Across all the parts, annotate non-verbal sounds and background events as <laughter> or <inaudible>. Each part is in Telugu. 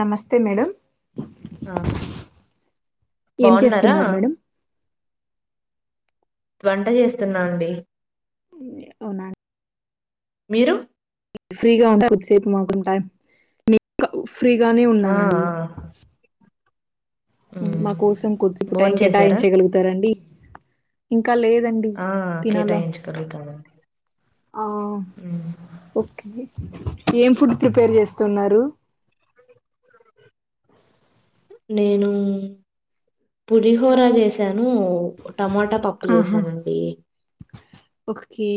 నమస్తే మేడమ్ ఆ! ఏం బావున్నారా? చేస్తున్నారు మేడం వంట చేస్తున్నా అండి అవునా అండి. మీరు ఫ్రీగా ఉంటా కొద్దిసేపు మాకుంటా మీ ఫ్రీగానే ఆ! ఉన్నానండి ఆ! హ్మ్. మా కోసం కొద్దిసేపు టైం భోంచేసారా? కేటాయించగలుగుతారాండి ఇంకా లేదండి ఆ! తినాల కేటాయించగలుగుతామండి. ఆ హ్మ్. ఓకే ఏం ఫుడ్ ప్రిపేర్ చేస్తున్నారు నేను పురీహోర చేశా ను టమాటా పప్పు ఆహా చేసానండి ఓకే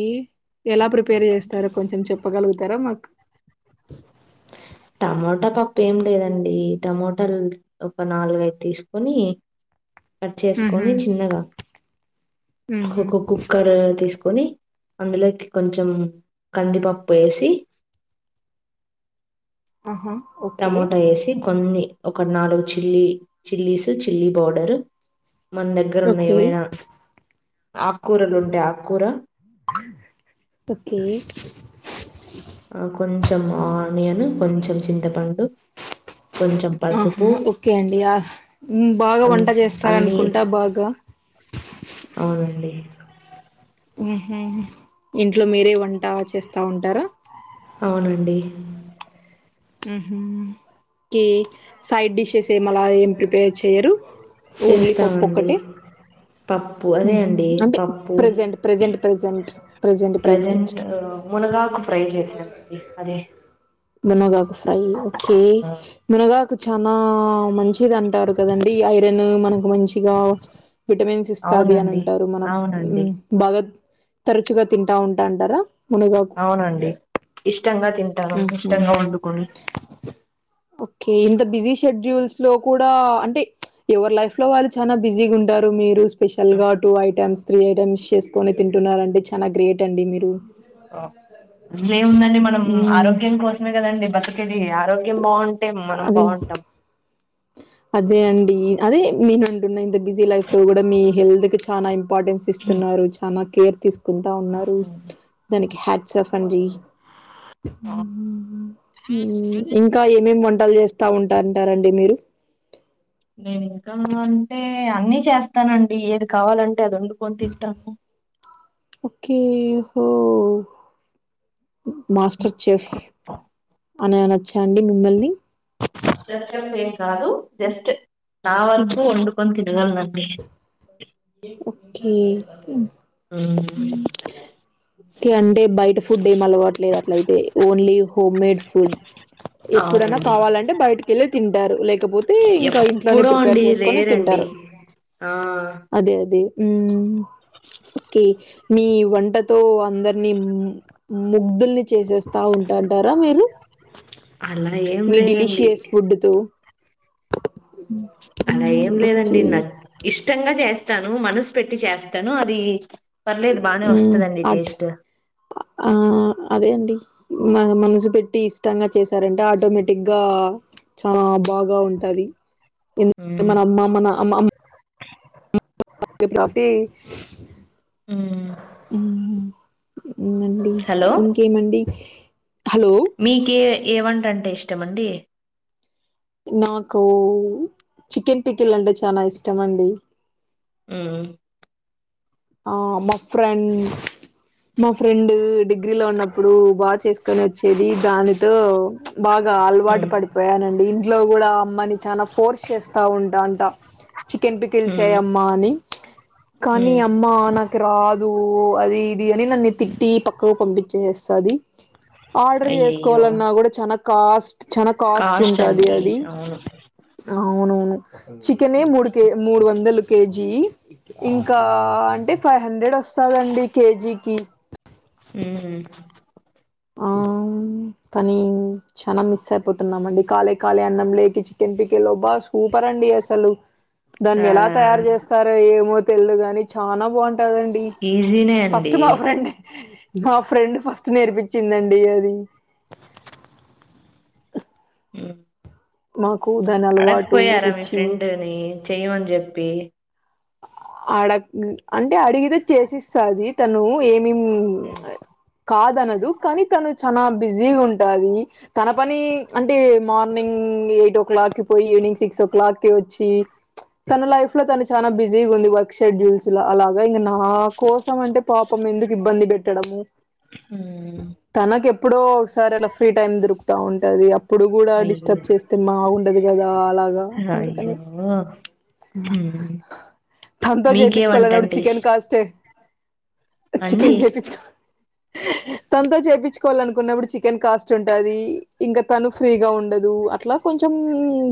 ఎలా ప్రిపేర్ చేస్తారో కొంచెం చెప్పగలుగుతారో మాకు టమోటా పప్పు ఏం లేదండి టమోటాలు ఒక నాలుగైద్ తీసుకొని కట్ చేసుకొని చిన్నగా క్కో కో కుక్కర్ తీసుకొని అందులోకి కొంచెం కందిపప్పు వేసి ఆహా, ఓకే టమోటా వేసి కొన్ని ఒక నాలుగు చిల్లీ చిల్లీస్ చిల్లీ పౌడర్ మన దగ్గర ఉన్న ఓకే ఏమైనా ఆకుకూరలు ఉంటే ఆకుకూర ఓకే ఆ కొంచం ఆ ఆనీయను కొంచెం చింతపండు కొంచెం పసుపు ఆహా ఓకే అండి ఆ బాగా అన్ వంట అన్ని చేస్తారనుకుంటా బాగా అవునండి మ్ హు ఇంట్లో మీరే వంట చేస్తా ఉంటారా అవునండి మ్ హు కేక్ సైడ్ డిషెస్ ఏమలా ఏం ప్రిపేర్ చెయరు ఓన్లీ పప్పు చేస్తామండి ఒక్కటీ పప్పు మ్ అదే హు అండి అంటే పప్పు present present present present present మునగాకు ఫ్రై చేసానండి అదే మునగాకు ఫ్రై ఓకే ఆ, మునగాకు చనా మంచి మంచిది అంటారు కదండి ఐరన్ మనకు మంచిగా విటమిన్స్ ఇస్తాది అని అవునండి అంటారు మన అవునండి మ్ బాగా తరచుగా తింటా ఉంటాంటారా అవునండి ఇష్టంగా తింటారు ఉహు ఇష్టంగా వండుకొని ఓకే ఇంత బిజీ షెడ్యూల్స్ లో కూడా అంటే ఎవరు లైఫ్ లో వాళ్ళు చాలా బిజీగా ఉంటారు మీరు స్పెషల్ గా టూ ఐటెమ్స్ త్రీ ఐటెమ్స్ చేసుకుొని తింటున్నారుంటడి చాలా గ్రేట్ అండి మీరు ఇే ఉందడి మనం మ్మ్ ఆరోగ్యం కోసం మే కదండి బతుకేడి ఆరోగ్యం బాగుంటే మనం అదే బాగుంటాం అదే అండి అదే నేను అంటున్న ఇంత బిజీ లైఫ్ లో కూడా మీ హెల్త్ కి చాలాం ఇంపార్టెన్స్ ఇస్తున్నారు చాలా కేర్ తీసు ంటా ఉన్నారు దానికి హ్యాట్ఫ్న్జీ అవును. ఇంకా ఏమేమి వంట వంటలు చేస్తా ఉంటారంటారండి మీరు నేను ఇంకా అంటే అన్నిీ చేస్తానండి ఏది కావాలంటే వండుకొనినతింటాను కేహో మాస్టర్ ఉమ్. చెెఫ్ అనిని వచ్చా అండి మిమ్మల్ని ఏం కాదు జస్ట్ నా మ్మ్ వరకు వండుకొని తిినగలనులను వి ఓకే ఆ అంటే బయట ఫుడ్ ఏం అలవట్లేదు అట్లయితే ఓన్లీ హోమ్ మేడ్ ఫుడ్ ఎప్పుడైనా అవునండి కావాలంటే బయటికి వెళ్ళి తింటారు లేకపోతే ఇంకా ఇంట్లోనే ఎప్పుడో ప్రిపేర్ అండి చేసుకుొని తింటారు రేరండి ఆ అదే అదే ఓకే మీ వంటతో అందరినీ ముగ్ధుల్ని చేసేస్తా ఉంటాంటారా మీరు అలా ఏం మీ లేదండి డెలీషియస్ ఫుడ్ త అలా ఏం లేదండి ఓకే నా ఇష్టంగా చేస్తాను మనసు పెట్టి చేస్తాను అది పర్లేదు బానే వస్తదండి అట్ టేస్ట్ ఆ అదే అండి మ మనసు పెట్టి ఇష్టంగా చేశారంటే ఆటోమేటిక్ గా చాలా బాగా ఉంటది ఎందుంటే హ్మ్ మన అమ్మ మన అమ్మ అమ్మ ప్పుపే హ్మ్ వునండి హలో ఇంకేమండి హలో మీకే ఏవంటంటే ఇష్టమ అండి నాకు చికెన్ పికిల్ అంటే చాలా ఇష్టం అండి అ ఆ మా ఫ్రెండ్ మా ఫ్రెండ్ డిగ్రీ లో ఉన్నప్పుడు బాగా చేసుకొని వచ్చేది దానితో బాగా అలవాటు హ్మ్ పడిపోయానండి ఇంట్లో కూడా అమ్మని చా ఫోర్స్ చేస్తా ఉంటా అంట చికెన్ పికిల్చాయ హ్మ్ అమ్మా అని కానీ హ్మ్ అమ్మ నాకు రాదు అది ఇది అని నన్ను తిట్టి పక్కకు పంపించేస్తా అది ఆర్డర్ అయ్యయ్యో చేసుకోవాలన్నా కూడా చాల కాస్ట్ చాల కాస్ట్ ఉంటుది అండి అది అవును అవునవును చికెనే మూడు కే మూడు వందలు కేజీ ఇంకా అంటే ఫైవ్ హండ్రెడ్ వస్తదండి కేజీకి ఏ ఆ కానీ చనా మిస్ అయిపోతున్నామండి కాలే కాలే అన్నం లేకి చికెన్ పికె లో బా సూపర్ అండి అసలు దాన్ని ఆ ఎలా తయారు చేస్తారో ఏమో తెల్దు కాని చనా బాగుంటాదండి ఈజీనే ఫస్ట్ అండి మా ఫ్రెండ్ మా ఫ్రెండ్ ఫస్ట్ నేర్పించ చిందండి అది మాకు దాని అలవాటు అడకపోయారా మీ రుచి ఫ్రెండ్ని చెయ్యమని చెప్పి అడ అంటే అడిగితే చేసిస్తుది తను ఏమి మే హ్మ్ కాదు అనదు కానీ తను చాల బిజీగా ఉంటా తన పని అంటే మార్నింగ్ ఎయిట్ ఓ క్లాక్ కి పోయి ఈవినింగ్ సిక్స్ ఓ క్లాక్ కి తన లైఫ్ లో తను చాలా బిజీ ఉంది వర్క్ షెడ్యూల్స్ లో అలాగా ఇంగ నా కోసం అంటే పాపం ఎందుకు ఇబ్బంది పెట్టడము హ్మ్. తనకిప్పుడో సార్ అలా ఫ్రీ టైమ్ దొరుకుతా ఉంటది అప్పుడు కూడా అయ్యో డిస్టర్బ్ చేస్తే బాగుంటదు కదా అలాగా అందుకని ఆ అంత మీకే వంట చేయిపించుకోవాలప్పుడు అంటే ఇష్ చికెన్ కాస్టే అండి చికెన్ చేపిచుకో తనతో చేయించుకోవాలి అనుకున్నప్పుడు చికెన్ కాస్ట్ ఉంటది ఇంకా తను ఫ్రీగా ఉండదు అట్లా కొంచెం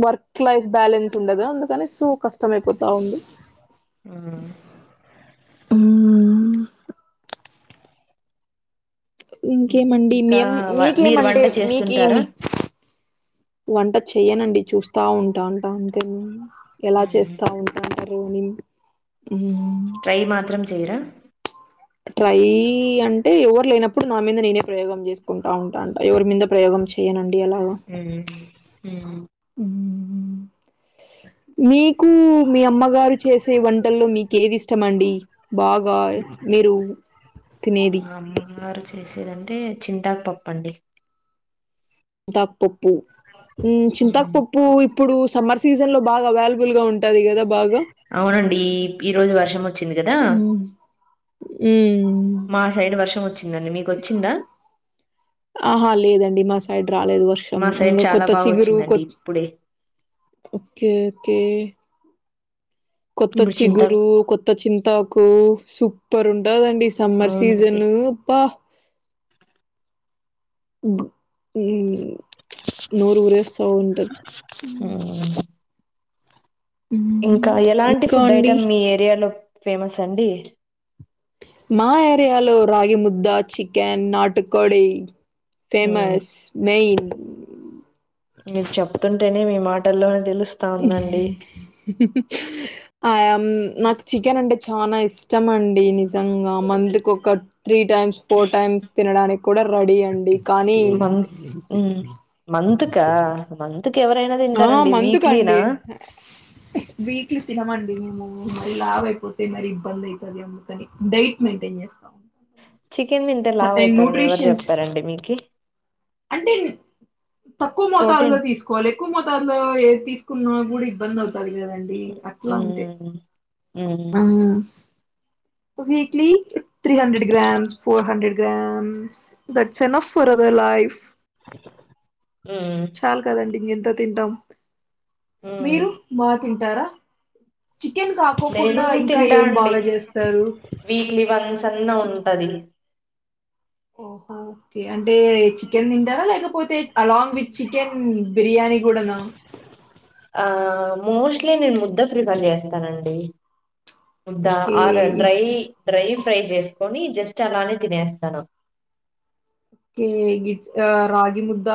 వర్క్ లైఫ్ బ్యాలెన్స్ ఉండదా అందుకని సో కష్టం అయిపోతుంది తవుంది ఉమ్ ఇం- ఇంకేమండి ఇంకా మం వ- మీరు వంట మీకేమంటే చేస్తుంటారా మీకేమి వంట చెయనండి చూస్తా ఉంటా అంట అంతే ఎలా మ్మ్. చేస్తా ఉంటున్నారు అని ఉమ్ ట్రై మాత్రం చేయరా ట్రై అంటే ఎవరు లేనప్పుడు నా మీద నేనే ప్రయోగం చేసుకుంటా ఉంటాంట ఎవరి మీద ప్రయోగం చే ఉమ్ ఉమ్ మీకు మీ అమ్మగారు చేసే వంటల్లో మీకు ఏది ఇష్టము అండి తినేది మా అమ్మగారు చేసేదండి అంటే చింతాకు పప్పండి చింతాకుపప్పు మ్మ్. చింతాకుపప్పు ఇప్పుడు సమ్మర్ సీజన్ లో బాగా అవైలబుల్ గా ఉంటది కదా బాగా ఇప్పుడు ఈ రోజు వర్షం వచ్చింది కదా ఉ మా సైడ్ వర్షం వచ్చిందండి మీకొచ్చిందా ఆహా లేదండి మా సైడ్ రాలేదు వర్షం మా సైడ్ ఇంకా చాలా కొత్త బాగా చిగురు కొ వచ్చిందండి ఇప్పుడే ఓకే ఓకే కొత్త ఇప్పుడు చింతాకు చిగురు కొత్త చింతాకు సూపర్ ఉండదండి సమ్మర్ అవునండి సీజన్ అప్ప ఉమ్ నూరు ఊర ఊరిస్త ఉంటది మ్మ్. హ్మ్. ఇంకా ఎలాంటి ఇంకా ఫుడ్ అండి? ఐటెమ్ మీ ఏరియాలో ఫేమస్ అండి మా ఏరియాలో రగి ముద్దా చికెన్ నాటుకోడి మ్మ్. ఫేమస్ మెయిన్ మీరు చెప్తుంటేనే మీ మాటల్లోనే తెలుసు ఆ నా చికెన్ ఉంట చాలా ఇష్టం అండి నిజంగా మంత్కి ఒక త్రీ టైమ్స్ ఫోర్ టైమ్స్ తినడానికి కూడా రెడీ అండి కానీ మంత్ క మొంతుకు. ఎవరు ఆ మంత్ కి అండి వీక్లీ తినమండి మేము మరి లావు అయిపోతే మరి ఇబ్బంది అవుతుంది అందుకని డైట్ మెయింటైన్ చేస్తాం చికెన్ తింటే లావు సర్టెన్ అవుతారని ఎవరు న్యూట్రిషన్స్ చెప్పారండి మీకి అంటే తక్కువ మొతాదులో ప్రోటీన్ తీసుకోవాలి ఎక్కువ మోతాదులో తీసుకో కున్న కూడా ఇబ్బంది అవుతంది అవుతాది కదా అండి అట్లా అంతే మ్మ్ మ్మ్ ఇపుడు weekly three hundred grams four hundred grams that's enough of for other life మ్మ్ చాలు కదండి ఇం ఎంత తింటాం మ్మ్ మీరు బాగా తింటారా చికెన్ నేను కాకోకుండా ఇంకా తింటా ఏం అండి బాగా చేస్తారు వీక్లీ వన్ సన్నా చికెన్ ఉంటది ఓహో ఓకే అంటే చికెన్ తింటారా లేకపోతే అలాంగ్ విత్ చికెన్ బిర్యానీ కూడానా ఆ మోస్ట్లీ నేను ముద్ద ప్రిఫర్ చేస్తానండి ముద్దా ఓకే ఆర డ్రై ఇట్స్ డ్రై ఫ్రై చేస్త కొని జస్ట్ అలానే తినేస్తాను ఒకే గిట్స్ ఆ రగి ముద్ద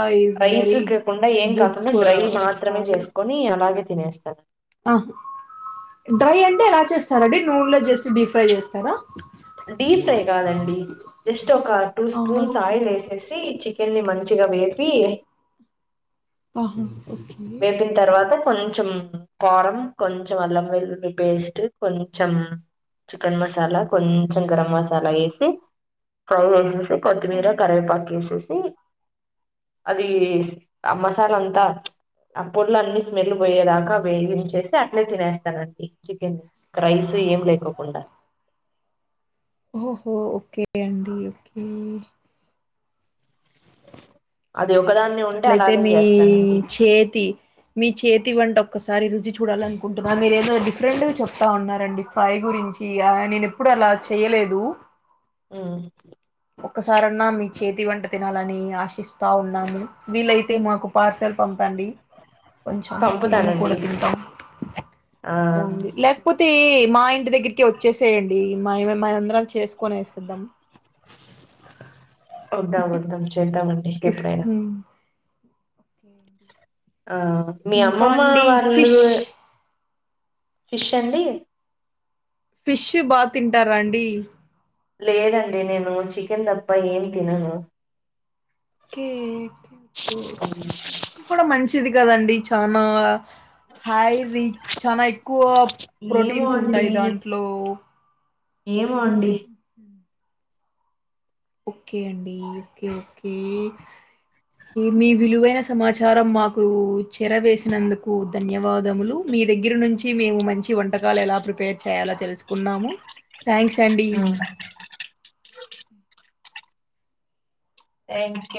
రైస్ కాకుండా ఏం కాకుండా డ్రై మాత్రమే చేసుకొని అలాగే తినేస్తా ఆ డ్రై అంటే ఎలా చేస్తారండి నూనెలో జస్ట్ డీ ఫ్రై చేస్తారా డీ ఫ్రై కాదండి జస్ట్ ఒక టూ ఆహా! స్పూన్స్ ఆయిల్ వేసేస్ సి చికెన్ ని మంచిగా వేపి ఒహో వేపిన తర్వాత కొంచం కారం కొంచెం అల్లం వెల్లులి పెస్ట్ కొంచం చికెన్ మసాలా కొం కొంచెం గరం మసాలా వేసి ఫ్రై చేసేసి కొత్తిమీర ఆహా! కరివేపాకు వేసేస్ సి అది మసాల అంతా ఆ పొర్లన్ని స్మెల్ పోయేదాకా వేగించేసి అట్లే తినేస్తానండి చికన్ క్రైస్ ఏం లేకోకుండా ఓహో ఓకే అండి ఓకే అది ఈ ఒకదాన్ని ఉంటే అట్లయితే అలానే మీ చేస్తానండి చేతి మీ చేతి వంట ఒ ఒకసారి రుచి చూడాల అనుకుంటున్నారు కాద్ మీరేదో డిఫరెంట్ గా చెప్తా ఉన్నారండి ఫ్రై గురించి ఆ నేను ఎప్పుడు అలా చేయలేదు ఊ ఒకసారన్నా మీ చేతి వంట తినాలని ఆశిస్తా ఉన్నాను మీలై అయితే మాకు పార్సల్ పంపండి కొంచెం మేము పంపుతానండి కూడా తింటాం ఆ ఉంది లేకపోతే మా ఇంటి దగ్గరికి వచ్చేసేయండి మాయి మేమందరం చేసుకునేసేద్దాం వదాం వదాం చేద్దామండి ఎప్పుడైనా ఆ మీ ఇంకా అమ్మమ్మ అండి వాళ్ళు ఫిష్ ఫిష్ అండి ఫిష్ బా తింటారాండి లేదండి నేను చికెన్ తప్ప ఏమీ తినను ఓకే ఓకే ఓకే చి ఫిష్ కూడా మంచిది కదండి చనా హై రీచ్ చానా ఎక్కువ ప్రోటీన్స్ ఉంటాయి దాంట్లో ఇయవ్ ఊహు ఓకే అండి ఓకే ఓకే మీ విలువైన సమాచారం మాకు చెరవేసినందుకు ధన్యవాదములు మీ మీ దగ్గర నుంచి మేము మంచి చి వంటకాలు ఎలా ప్రిపేర్ చేయాలో తెలుసుకున్నాము థాంక్స్ అండి <inaudible> థ్యాంక్ యూ